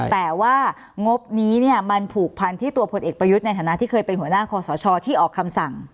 แต่ว่างบนี้เนี่ยมันผูกพันที่ตัวผลเอกประยุทธ์ในฐานะที่เคยเป็นหัวหน้าคอสชที่ออกคำสั่ง